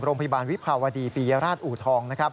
โรงพิบาลวิภาวดีปรียราชอูทอง